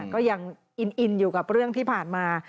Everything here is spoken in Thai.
ก็ยังอินอยู่กับเรื่องที่ผ่านมา